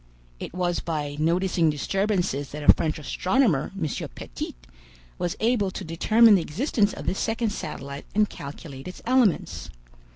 It was by noticing disturbances that a French astronomer, M. Petit, was able to determine the existence of this second satellite and calculate its elements.